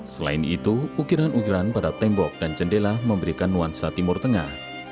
selain itu ukiran ukiran pada tembok dan jendela memberikan nuansa timur tengah